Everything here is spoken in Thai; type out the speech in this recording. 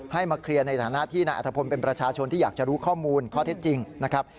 มาเคลียร์ในฐานะที่นายอัธพลเป็นประชาชนที่อยากจะรู้ข้อมูลข้อเท็จจริงนะครับ